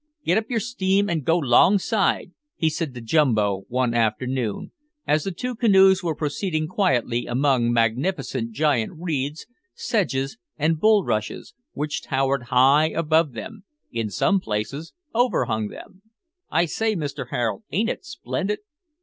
"Git up your steam an' go 'longside," he said to Jumbo one afternoon, as the two canoes were proceeding quietly among magnificent giant reeds, sedges, and bulrushes, which towered high above them in some places overhung them. "I say, Mister Harold, ain't it splendid?"